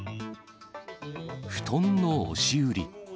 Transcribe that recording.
布団の押し売り。